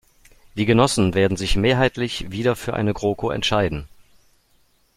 Die Genossen werden sich mehrheitlich wieder für eine GroKo entscheiden.